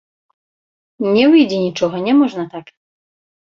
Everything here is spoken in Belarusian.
Не выйдзе нічога, няможна так.